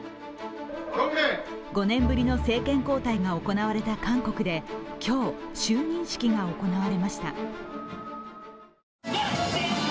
５年ぶりの政権交代が行われた韓国で今日、就任式が行われました。